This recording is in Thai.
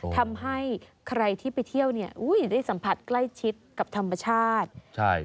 ทำให้ใครที่ไปเที่ยวได้สัมผัสใกล้ชิดกับธรรมชาติ